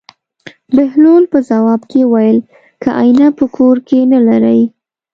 بهلول په ځواب کې وویل: که اېنه په کور کې نه لرې.